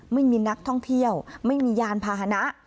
ไม่มีนักท่องเที่ยวไม่มียานพาหนะ